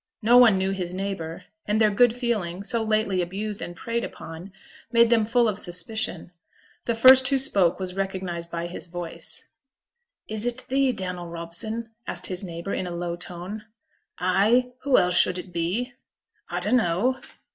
No one knew his neighbour, and their good feeling, so lately abused and preyed upon, made them full of suspicion. The first who spoke was recognized by his voice. 'Is it thee, Daniel Robson?' asked his neighbour, in a low tone. 'Ay! Who else should it be?' 'A dunno.'